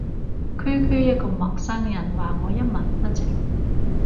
區區一個陌生人話我一文不值